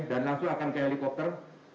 dan langsung akan ke helikopter